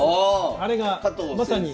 あれがまさに。